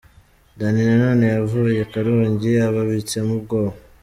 Danny Nanone yavuye i Karongi ababitsemo ubwoba.